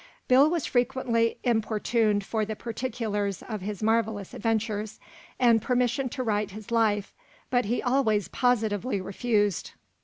Bill was frequently importuned for the particulars of his marvelous adventures, and permission to write his life, but he always positively refused.